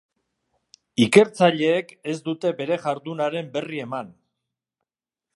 Ikertzaileek ez dute bere jardunaren berri eman.